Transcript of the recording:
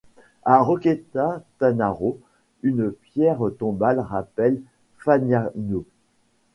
À Rocchetta Tanaro, une pierre tombale rappelle Fagnano.